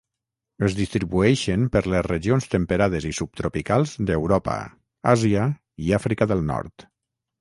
Es distribueixen per les regions temperades i subtropicals d'Europa, Àsia i Àfrica del Nord.